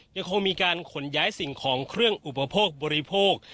ยังคงมีการขนย้ายสิ่งของเครื่องอุปโภคบริโภค